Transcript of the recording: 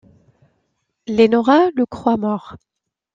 Lenora le croit mort.